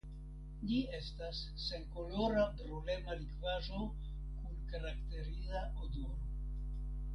Ĝi estas senkolora brulema likvaĵo kun karakteriza odoro.